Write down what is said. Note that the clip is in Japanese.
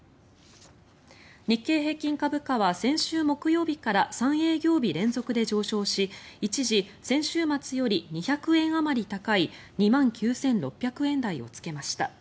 日経平均株価は先週木曜日から３営業日連続で上昇し一時、先週末より２００円あまり高い２万９６００円台をつけました。